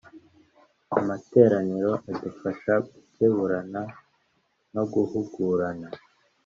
Amateraniro adufasha Gukeburana no Guhugurana